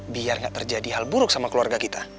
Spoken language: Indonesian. biar gak terjadi hal buruk sama keluarga kita